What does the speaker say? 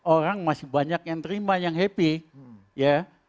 orang masih banyak yang terima yang happy ya